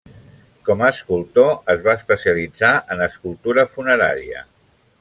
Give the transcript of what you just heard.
Com a escultor, es va especialitzar en escultura funerària.